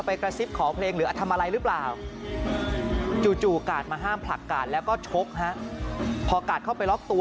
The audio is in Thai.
โปรดติดตามตอนต่อไป